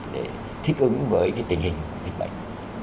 để thích ứng với cái tình hình dịch bệnh